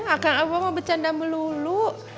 akang abah mau bercanda melulu